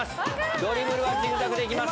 ドリブルはジグザグでいきます。